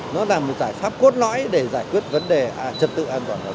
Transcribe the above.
nó là một giải pháp cốt lõi để giải quyết vấn đề trật tự an toàn